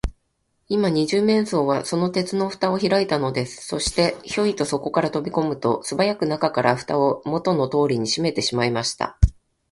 今、二十面相は、その鉄のふたをひらいたのです。そして、ヒョイとそこへとびこむと、すばやく中から、ふたをもとのとおりにしめてしまいました。